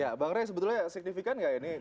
ya bang rai sebetulnya signifikan ga ini